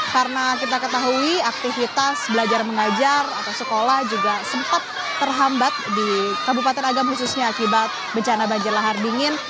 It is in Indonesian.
karena kita ketahui aktivitas belajar mengajar atau sekolah juga sempat terhambat di kabupaten agam khususnya akibat bencana banjir lahar dingin